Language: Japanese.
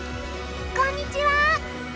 こんにちは。